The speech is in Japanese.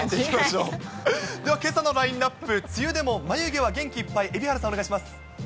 では、けさのラインナップ、梅雨でも眉毛は元気いっぱい、蛯原さん、お願いします。